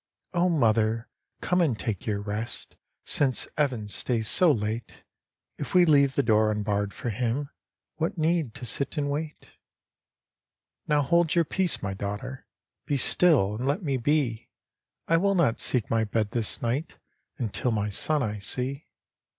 " O mother, come and take your rest. Since Evan stays so late; If we leave the door unbarred for him, What need to sit and wait? "" Now hold your peace, my daughter. Be still and let me be, 1 will not seek my bed this night Until my son I see."